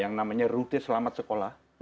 yang namanya rute selamat sekolah